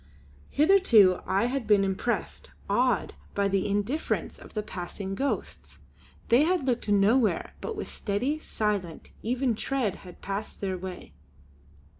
Hitherto I had been impressed, awed, by the indifference of the passing ghosts. They had looked nowhere, but with steady, silent, even tread had passed on their way.